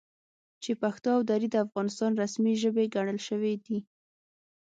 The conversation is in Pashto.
چې پښتو او دري د افغانستان رسمي ژبې ګڼل شوي دي،